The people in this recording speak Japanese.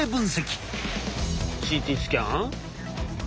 ＣＴスキャン？